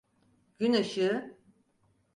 Gün ışığı.